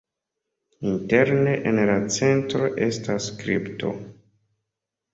Interne en la centro estas kripto.